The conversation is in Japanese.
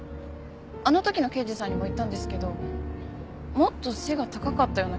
あの時の刑事さんにも言ったんですけどもっと背が高かったような気がして。